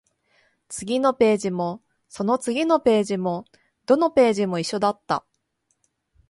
次のページも、その次のページも、どのページも一緒だった